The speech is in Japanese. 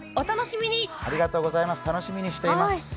楽しみにしています。